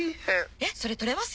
えっそれ取れますよ！